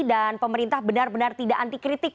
dan pemerintah benar benar tidak anti kritik